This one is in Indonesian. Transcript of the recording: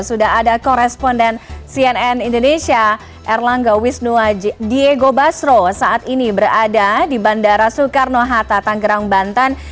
sudah ada koresponden cnn indonesia erlangga wisnua diego basro saat ini berada di bandara soekarno hatta tanggerang banten